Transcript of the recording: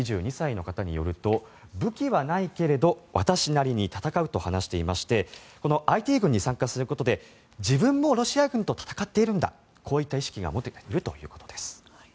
２２歳の方によると武器はないけれど私なりに戦うと話していましてこのＩＴ軍に参加することで自分もロシア軍と戦っているんだこういった意識が持てているということです。